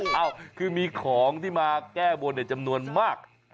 เอ้าคือมีของที่มาแก้บนจำนวนมาก